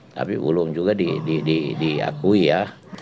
tapi belum juga diakui ya